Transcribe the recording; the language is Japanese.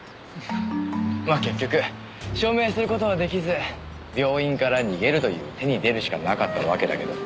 まあ結局証明する事は出来ず病院から逃げるという手に出るしかなかったわけだけど。